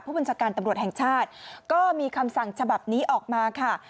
บัญชาการตำรวจแห่งชาติก็มีคำสั่งฉบับนี้ออกมาค่ะ